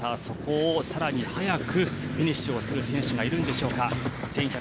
そこを更に早くフィニッシュする選手がいるんでしょうか。